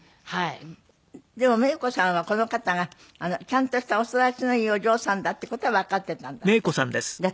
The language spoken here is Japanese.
でもメイコさんはこの方がちゃんとしたお育ちのいいお嬢さんだっていう事はわかっていたんだって？